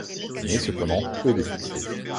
Il connaît cependant peu de succès.